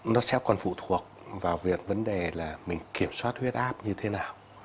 nó sẽ còn phụ thuộc vào việc vấn đề là mình kiểm soát huyết áp như thế nào